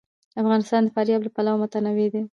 افغانستان د فاریاب له پلوه متنوع دی.